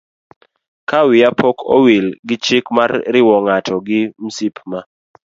Ka wiya pok owil gi chik mar riwo ng'ato gi msip ma